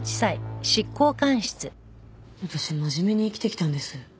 私真面目に生きてきたんです。